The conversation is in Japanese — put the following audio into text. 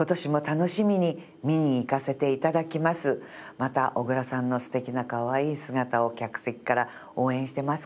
また小倉さんの素敵なかわいい姿を客席から応援してますからね。